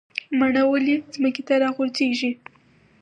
مڼه ولې ځمکې ته راغورځیږي؟